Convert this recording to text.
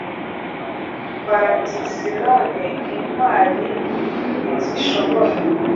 FataIsinone intwari ntizishobora